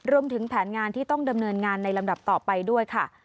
รวมถึงแผนงานที่ต้องดำเนินงานในลำดับต่อไปด้วยค่ะ